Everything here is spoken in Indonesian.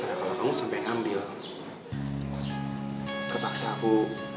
karena kalau kamu sampai ngambil terpaksa aku